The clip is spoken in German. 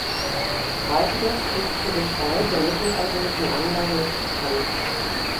Weiteres ist zur Gestalt der mittelalterlichen Anlagen nicht bekannt.